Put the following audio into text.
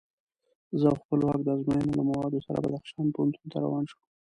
زه او خپلواک د ازموینو له موادو سره بدخشان پوهنتون ته روان شوو.